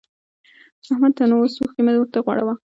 احمده! ته نو اوس اوښکی مه ورته غوړوه.